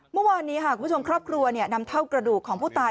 เมื่อวานนี้ค้ากลับครัวเนี่ยนามเถ้ากระดูกของผู้ตาย